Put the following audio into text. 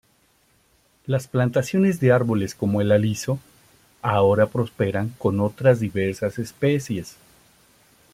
Las plantaciones de árboles como el aliso, ahora prosperan con otras diversas especies.